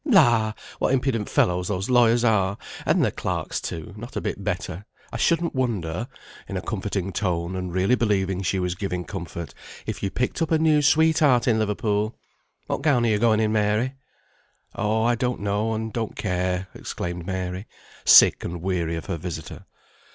"La! what impudent fellows those lawyers are! And their clerks, too, not a bit better. I shouldn't wonder" (in a comforting tone, and really believing she was giving comfort) "if you picked up a new sweetheart in Liverpool. What gown are you going in, Mary?" "Oh, I don't know and don't care," exclaimed Mary, sick and weary of her visitor.